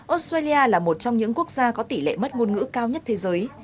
australia là một trong những quốc gia có tỷ lệ mất ngôn ngữ cao nhất thế giới